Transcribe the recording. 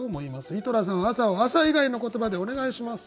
井戸田さん「朝」を「朝」以外の言葉でお願いします。